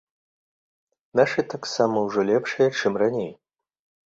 Нашы таксама ўжо лепшыя, чым раней.